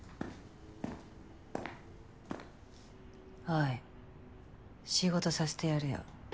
おい仕事させてやるよ。